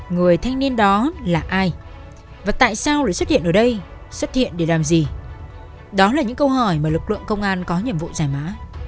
người thanh niên đó là ai và tại sao lại xuất hiện ở đây xuất hiện để làm gì đó là những câu hỏi mà lực lượng công an có nhiệm vụ giải mã